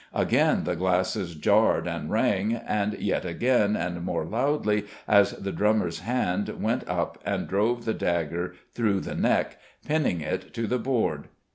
Again the glasses jarred and rang, and yet again and more loudly as the drummer's hand went up and drove the dagger through the neck, pinning it to the board.